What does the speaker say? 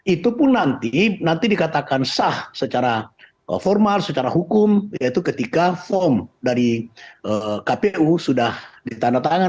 itu pun nanti dikatakan sah secara formal secara hukum yaitu ketika form dari kpu sudah ditandatangan